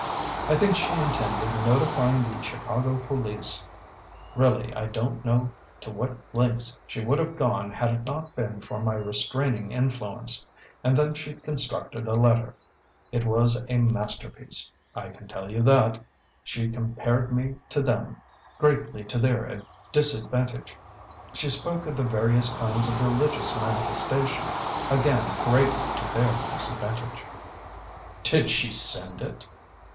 I think she intended notifying the Chicago police. Really I don't know to what lengths she would have gone had it not been for my restraining influence. And then she constructed a letter. It was a masterpiece I can tell you that. She compared me to them greatly to their disadvantage. She spoke of the various kinds of religious manifestation again greatly to their disadvantage." "Did she send it?"